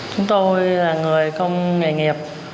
chúng tôi là người không nghề nghiệp